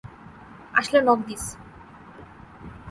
আসলে knock this.